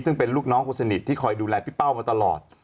ซึ่งเป็นลูกน้องคนสนิทที่คอยดูแลพี่เป้ามาตลอด